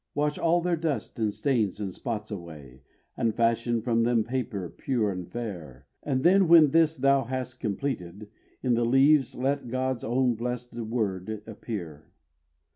Wash all their dust, and stains, and spots away, And fashion from them paper pure and fair, And then when this thou hast completed, in The leaves let God's own blessed word appear.